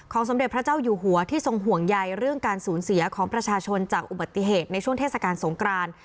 สมเด็จพระเจ้าอยู่หัวที่ทรงห่วงใยเรื่องการสูญเสียของประชาชนจากอุบัติเหตุในช่วงเทศกาลสงคราน